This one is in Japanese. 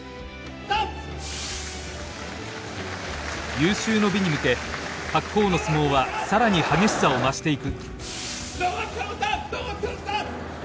有終の美に向け白鵬の相撲は更に激しさを増していく。